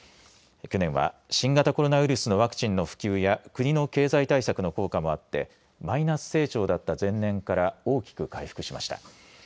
去年は新型コロナウイルスのワクチンの普及や国の経済対策の効果もあってマイナス成長だった前年から大きく回復しました。